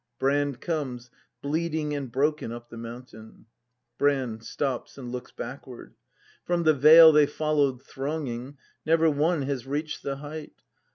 Brand comes, bleeding and broken, up the mountain. Brand. \Stops and looks backivard.] From the vale they follow'd thronging, Never one has reached the height.